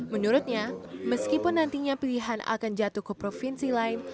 menurutnya meskipun nantinya pilihan akan jatuh ke provinsi lain